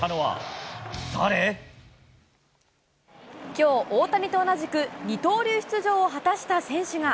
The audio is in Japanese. きょう、大谷と同じく二刀流出場を果たした選手が。